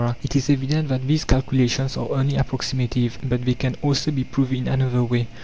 It is evident that these calculations are only approximative, but they can also be proved in another way.